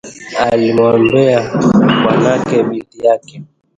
Alimwombea bwanake binti yake